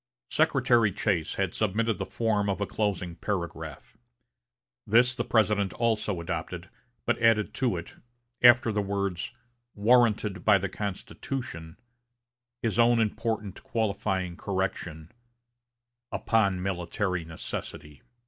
Secretary Chase had submitted the form of a closing paragraph. This the President also adopted, but added to it, after the words "warranted by the Constitution," his own important qualifying correction, "upon military necessity."